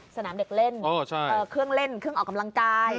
สนามเด็กเล่นเครื่องเล่นเครื่องออกกำลังกาย